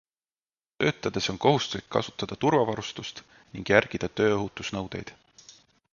Töötades on kohustuslik kasutada turvavarustust ning järgida tööohutusnõudeid.